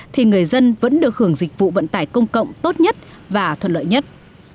thì người dân vẫn được hưởng dịch vụ vận tải công cộng tốt nhất và thuận lợi nhất